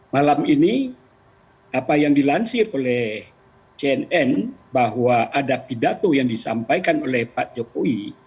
malam ini apa yang dilansir oleh cnn bahwa ada pidato yang disampaikan oleh pak jokowi